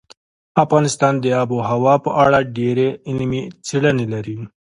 افغانستان د آب وهوا په اړه ډېرې علمي څېړنې لري.